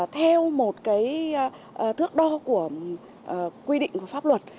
theo một cái thước đo của quy định của pháp luật